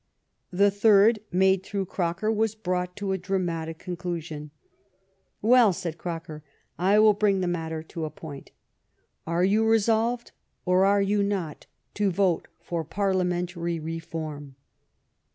The third, made through Croker, was brought to a dramatic •conclusion. "Well," said Croker, "I will bring the matter to a point. Are you resolved, or are you not, to vote for Parliamentary Reform